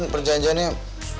perjanjiannya tidak baik